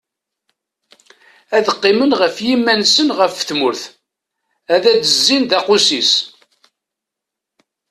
Ad qqimen ɣef yiman-nsen ɣef tmurt, ad d-zzin d aqusis.